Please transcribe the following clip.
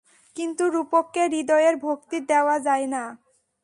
কিন্তু রূপককে হৃদয়ের ভক্তি দেওয়া যায় না।